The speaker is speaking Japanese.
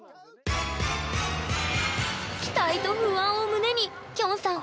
期待と不安を胸にきょんさん